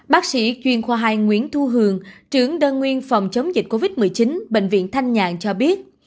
bác sĩ chuyên khoa hai nguyễn thu hường trưởng đơn nguyên phòng chống dịch covid một mươi chín bệnh viện thanh nhàn cho biết